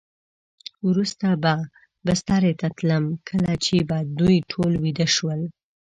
وروسته به بسترې ته تلم، کله چې به دوی ټول ویده شول.